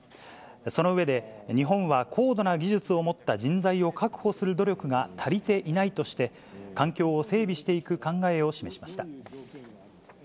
その上で、日本は高度な技術を持った人材を確保する努力が足りていないとして、環境を整備していく考えを示しました。